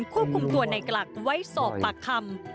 ตรงทวนคู่คุมตัวในกรักไว้สอบประคำ